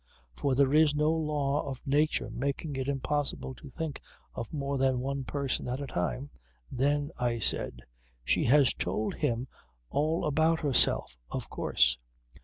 For there is no law of nature making it impossible to think of more than one person at a time. Then I said: "She has told him all about herself of course."